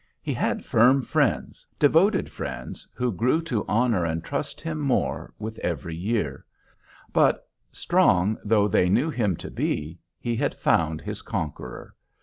He had firm friends, devoted friends, who grew to honor and trust him more with every year; but, strong though they knew him to be, he had found his conqueror.